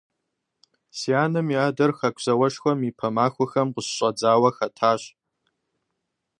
Си анэм и адэр Хэку зауэшхуэм ипэ махуэхэм къыщыщӏэдзауэ хэтащ.